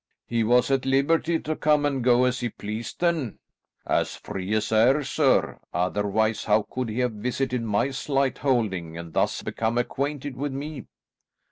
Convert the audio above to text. "He was at liberty to come and go as he pleased, then?" "As free as air, sir; otherwise how could he have visited my slight holding and thus become acquainted with me?"